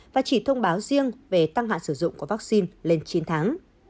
và chỉ thông báo riêng về tăng hạn sử dụng của vaccine lên chín tháng